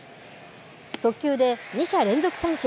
速球で２者連続三振。